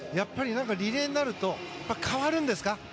リレーになると変わるんですか？